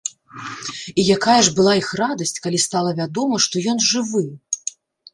І якая ж была іх радасць, калі стала вядома, што ён жывы.